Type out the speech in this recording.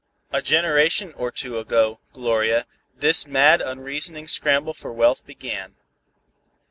A generation or two ago, Gloria, this mad unreasoning scramble for wealth began.